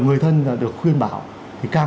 người thân là được khuyên bảo thì cam